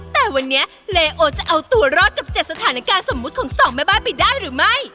แต่วันนี้เลโอจะเอาตัวรอดกับ๗สถานการณ์สมมุติของสองแม่บ้านไปได้หรือไม่